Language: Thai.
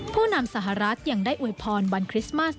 ผู้นำสหรัฐยังได้อวยพรวันคริสต์มัส